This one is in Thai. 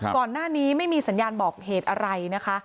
ก่อนหน้านี้ไม่มีสัญญาณบอกเหตุอะไรนะคะ